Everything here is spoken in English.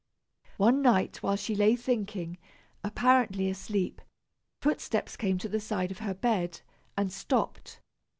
One night, while she lay thinking, apparently asleep, footsteps came to the side of her bed, and stopped.